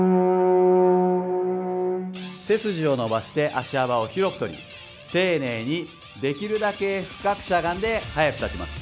背筋を伸ばして足幅を広くとり丁寧にできるだけ深くしゃがんで速く立ちます。